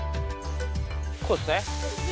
こうっすね？